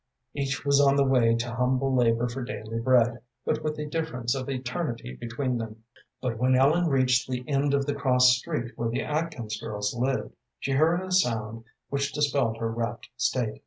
Each was on the way to humble labor for daily bread, but with a difference of eternity between them. But when Ellen reached the end of the cross street where the Atkins girls lived, she heard a sound which dispelled her rapt state.